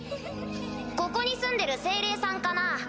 ・ここにすんでる精霊さんかな？